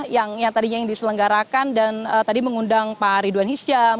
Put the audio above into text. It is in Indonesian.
yang tadinya diselenggarakan dan tadi mengundang pak ridwan hisham